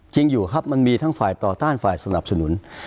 จริงอยู่ครับมันมีทั้งฝ่ายต่อต้านฝ่ายสนับสนุน